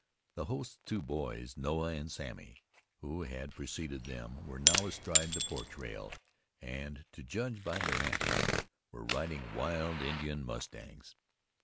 The host's two boys, Noah and Sammy, who had preceded them, were now astride the porch rail and, to judge by their antics, were riding wild Indian mustangs.